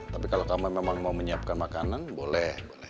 tapi kalau kamu memang mau menyiapkan makanan boleh boleh